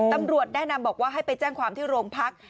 ตำรวจแนะนำบอกว่าให้ไปแจ้งความที่โรงพัก